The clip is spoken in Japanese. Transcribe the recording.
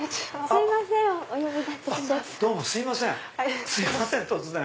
すいません突然。